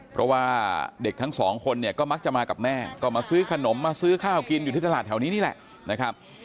เพราะว่าเด็กทั้งสองคนเนี่ยก็มักจะมากับแม่ก็มาซื้อขนมมาซื้อข้าวกินอยู่ที่ตลาดแถวนี้นี่แหละนะครับ